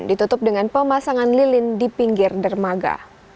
ditutup dengan pemasangan lilin di pinggir dermaga